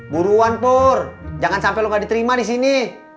buruan pur jangan sampai lo gak diterima di sini